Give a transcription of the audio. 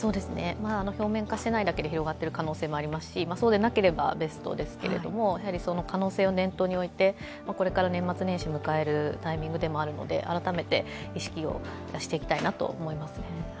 表面化していないだけで広がってる可能性もありますし、そうでなければベストですけれども、その可能性を念頭に置いてこれから年末年始を迎えるタイミングでもあるので改めて意識していきたいなと思いますね。